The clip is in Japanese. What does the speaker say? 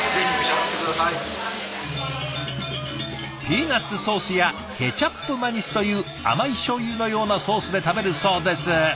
ピーナツソースやケチャップマニスという甘いしょうゆのようなソースで食べるそうです。